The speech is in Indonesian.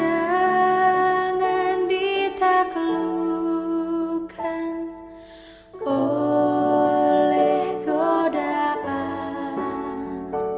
jangan ditaklukkan oleh godaan